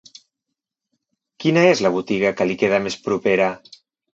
Quina és la botiga que li queda més propera?